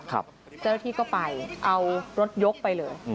เจ้าหน้าที่ก็ไปเอารถยกไปเลย